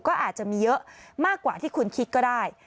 ก็อาจจะมีเยอะมากกว่าที่คุณคิดก็ได้